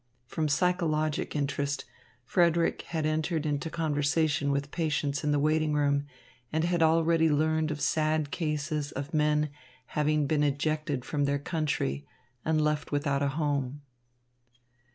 From psychologic interest, Frederick had entered into conversation with patients in the waiting room and had already learned of sad cases of men having been ejected from their country and left without a home.